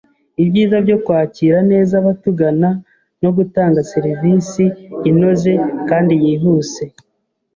ibyiza byo kwakira neza abatugana no gutanga serivisi inoze kandi yihuse